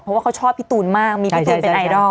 เพราะว่าเขาชอบพี่ตูนมากมีพี่ตูนเป็นไอดอล